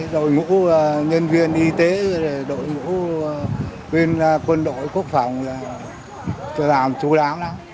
đội ngũ nhân viên y tế đội ngũ viên quân đội quốc phòng làm chú đáng lắm